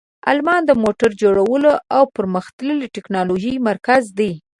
آلمان د موټر جوړولو او پرمختللې تکنالوژۍ مرکز دی.